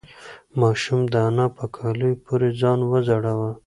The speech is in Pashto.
ماشوم د انا په کالیو پورې ځان وځړاوه.